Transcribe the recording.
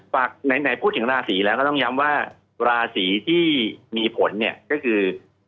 ไหนพูดถึงราศีแล้วก็ต้องย้ำว่าราศีที่มีผลเนี่ยก็คือ